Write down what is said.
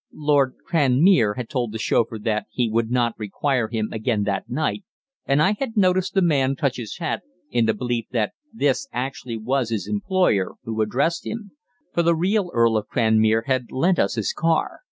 "Lord Cranmere" had told the chauffeur that he would not require him again that night, and I had noticed the man touch his hat in the belief that this actually was his employer who addressed him, for the real Earl of Cranmere had lent us his car.